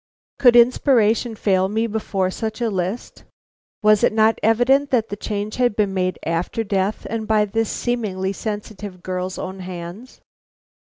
_" Could inspiration fail me before such a list? Was it not evident that the change had been made after death, and by this seemingly sensitive girl's own hands?